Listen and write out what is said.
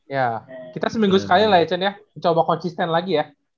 ya kita seminggu sekali lah ya chon ya mencoba konsisten lagi ya